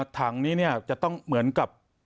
ถังนี้ก็ต้องเหมือนกับ